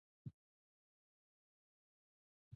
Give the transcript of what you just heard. پوهه د انسان تر ټولو غوره پانګه ده.